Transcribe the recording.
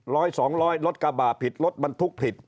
ร้อย๒๐๐รถกาบาห์ผิดรถบันทุกข์ผิด